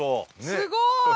すごい！